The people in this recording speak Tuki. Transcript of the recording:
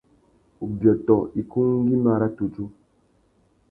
Ubiôtô ikú ngüimá râ tudju.